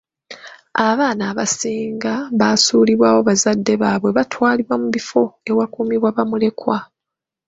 Abaana abasinga basuulibwawo bazadde baabwe batwalibwa mu bifo ewakuumibwa bamulekwa.